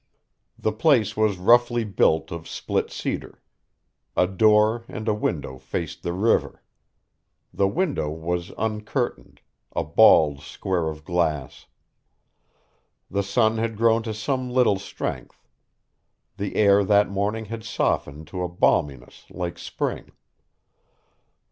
The place was roughly built of split cedar. A door and a window faced the river. The window was uncurtained, a bald square of glass. The sun had grown to some little strength. The air that morning had softened to a balminess like spring.